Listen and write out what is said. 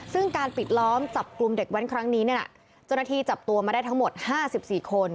ซึ่งการปิดล้อมจับกลุ่มเด็กแว้นครั้งนี้เนี่ยนะเจ้าหน้าที่จับตัวมาได้ทั้งหมด๕๔คน